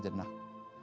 jadikan kepala sejenak